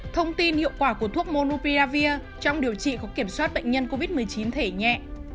thông tin hiệu quả của thuốc monupiravir trong điều trị có kiểm soát bệnh nhân covid một mươi chín thể nhẹ